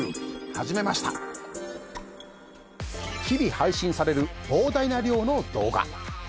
日々配信される膨大な量の動画。